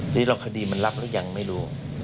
ทีนี้คดีมันรับหรือยังไม่รู้